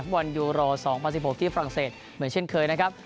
บอลยูโร๒๐๑๖ที่ฝรั่งเศสเหมือนเช่นเคยนะครับ